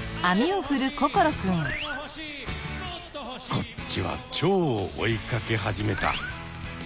こっちはチョウを追いかけ始めた！